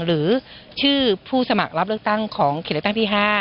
หรือชื่อผู้สมัครรับเลือกตั้งของเขตเลือกตั้งที่๕